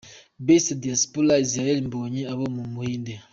Best Diaspora : Israel Mbonyi uba mu Buhinde.